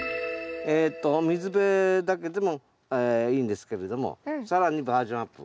水辺だけでもいいんですけれども更にバージョンアップ。